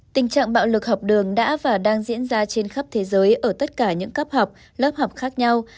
tình trạng bạo lực học đường đã và đang diễn ra trên khắp thế giới ở tất cả những cấp học lớp học khác nhau